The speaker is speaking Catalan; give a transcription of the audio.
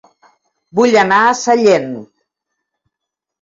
Vull anar a Sallent